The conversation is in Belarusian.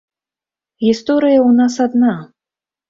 Гісторыя ў нас адна.